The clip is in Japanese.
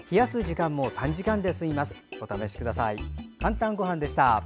「かんたんごはん」でした。